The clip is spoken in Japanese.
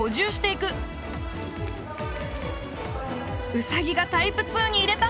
ウサギがタイプ２に入れた！